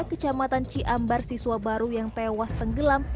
kecamatan ciambar siswa baru yang tewas tenggelam